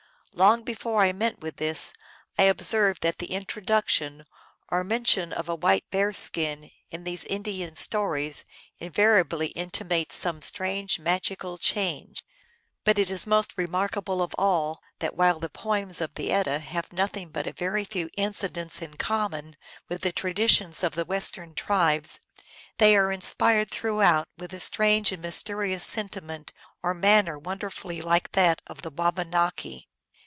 Long before I met with this, I observed that the introduction, or mention, of a white bear skin in these Indian stories invariably intimates some strange magical change. But it is most remarkable of all, that, while the poems of the Edda have nothing but a very few in cidents in common with the traditions 01 the western tribes, they are inspired throughout with a strange and mysterious sentiment or manner wonderfully like that of the Wabanaki.